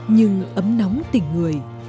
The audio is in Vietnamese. nhưng ấm nóng tình người